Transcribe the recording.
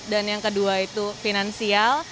dan yang kedua itu finansial